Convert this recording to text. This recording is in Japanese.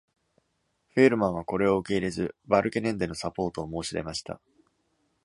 フェールマンはこれを受け入れず、バルケネンデのサポートを申し出ました。